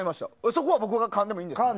そこは僕がかんでもいいんですか。